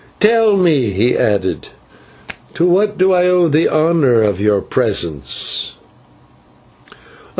"Tell me," he added, "to what do I owe the honour of your presence?"